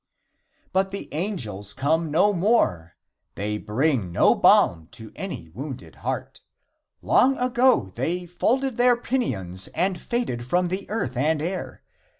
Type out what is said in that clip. But the angels come no more. They bring no balm to any wounded heart. Long ago they folded their pinions and faded from the earth and air.